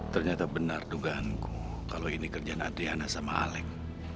ternyata benar dugaanku kalau ini kerjaan adriana sama alec